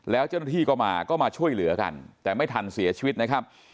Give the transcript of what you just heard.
แล้วเจ้าหน้าที่ก็มาก็มาช่วยเหลือกันแต่ไม่ทันเสียชีวิตนะครับ